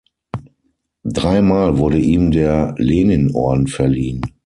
Dreimal wurde ihm der Leninorden verliehen.